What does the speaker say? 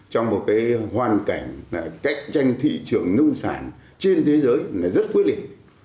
trong một hoàn cảnh cách tranh thị trường nông sản trên thế giới rất quyết liệt